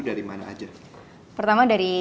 dari mana aja pertama dari